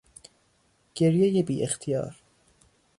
گریهی بیاختیار